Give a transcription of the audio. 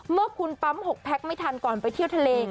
เมื่อคุณปั๊ม๖แพ็คไม่ทันก่อนไปเที่ยวทะเล